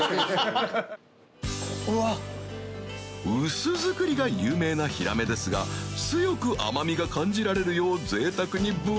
薄造りが有名なヒラメですが強く甘みが感じられるよう爾い燭吠